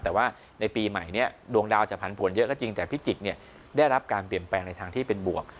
แต่ว่าในปีใหม่เนี่ยดวงดาวจะผันผวนเยอะก็จริงแต่พิจิกได้รับการเปลี่ยนแปลงในทางที่เป็นบวก